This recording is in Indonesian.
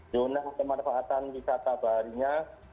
zona pemanfaatan wisata barinya